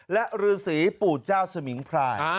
และฤษีปู่เจ้าสมิงพราย